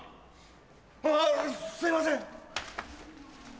あぁすいません！